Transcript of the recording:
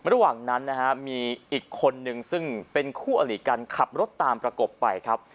ระหว่างนั้นนะฮะมีอีกคนนึงซึ่งเป็นคู่อลิกันขับรถตามประกบไปครับ